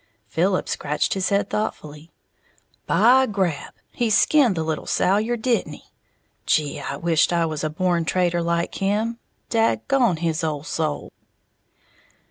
Philip scratched his head thoughtfully. "By grab, he skinned the little Salyer, didn't he? Gee, I wisht I was a born trader like him, dag gone his ole soul!"